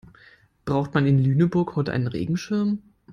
Braucht man in Lüneburg heute einen Regenschirm?